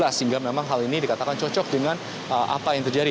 sehingga memang hal ini dikatakan cocok dengan apa yang terjadi